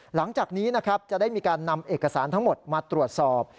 หลังจากนี้นะครับจะได้มีการนำเอกสารทั้งหมดมาตรวจสอบ